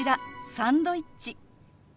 サンドイッチ。